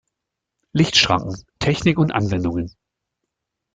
Lichtschranken: Technik und Anwendungen